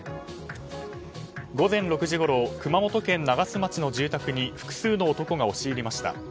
午前６時ごろ熊本県長洲町の住宅に複数の男が押し入りました。